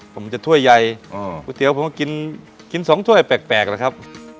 ผมจะถ้วยไยก๋วยเตี๋ยวผมก็กิน๒ถ้วยแปลกแหละครับ